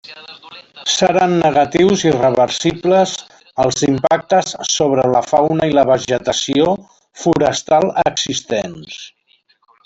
Seran negatius i reversibles els impactes sobre la fauna i la vegetació forestal existents.